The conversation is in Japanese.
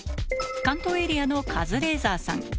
関東エリアのカズレーザーさん